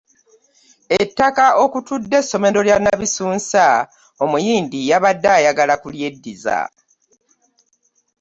Ettaka okutudde essomero lya Nabisunsa omuyindi yabadde ayagala ku lyediza.